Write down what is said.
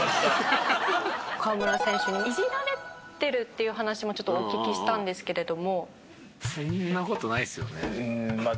河村選手にイジられてるっていう話もちょっとお聞きしたんですけれども。